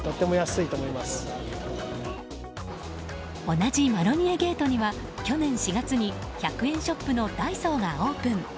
同じマロニエゲートには去年４月に１００円ショップのダイソーがオープン。